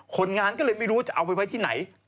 คนงานก็เลยไม่รู้จะเอาไปไว้ที่ไหน